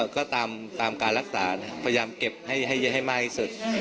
ก็ตามการรักษาพยายามเก็บให้เยอะให้มากที่สุด